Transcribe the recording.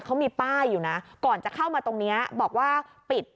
เขามีป้ายอยู่นะก่อนจะเข้ามาตรงนี้บอกว่าปิด